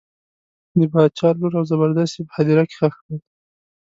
د باچا لور او زبردست یې په هدیره کې ښخ کړل.